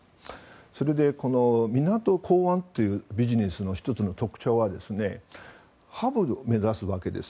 それで港、港湾というビジネスの特徴の１つはハブを目指すわけです。